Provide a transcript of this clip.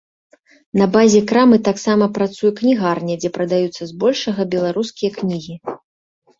На базе крамы таксама працуе кнігарня, дзе прадаюцца збольшага беларускія кнігі.